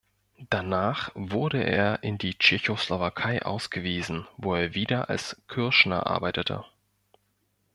Danach wurde er in die Tschechoslowakei ausgewiesen, wo er wieder als Kürschner arbeitete.